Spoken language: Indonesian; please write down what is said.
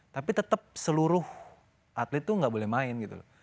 tapi tetap seluruh atlet itu nggak boleh main gitu loh